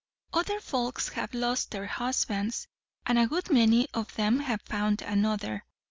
"Other folks have lost their husbands, and a good many of 'em have found another.